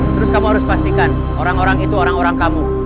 terus kamu harus pastikan orang orang itu orang orang kamu